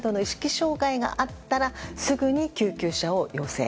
障害があったらすぐに救急車を要請。